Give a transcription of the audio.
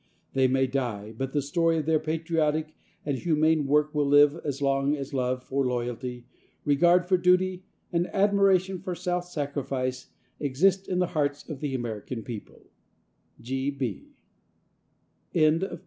They may die, but the story of their patriotic and humane work will live as long as love for loyalty, regard for duty and admiration for self sacrifice exist in the hearts of the American people.